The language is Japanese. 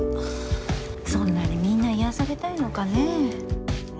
そんなにみんな癒やされたいのかねえ。